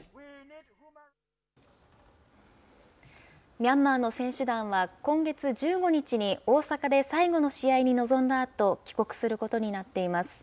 ミャンマーの選手団は、今月１５日に、大阪で最後の試合に臨んだあと、帰国することになっています。